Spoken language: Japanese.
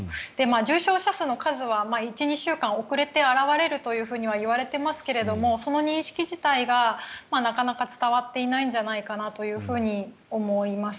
重症者数の数は１２週間遅れて表れるとはいわれていますがその認識自体がなかなか伝わっていないんじゃないかなと思います。